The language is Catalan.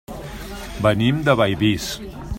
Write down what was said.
Venim de Bellvís.